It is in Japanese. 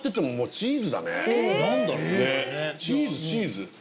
チーズチーズ。